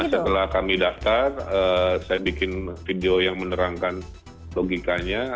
setelah kami daftar saya bikin video yang menerangkan logikanya